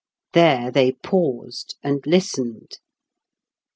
There they paused, and listened.